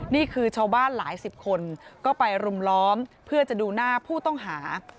นี่คือชาวบ้านหลายสิบคนก็ไปรุมล้อมเพื่อจะดูหน้าผู้ต้องหา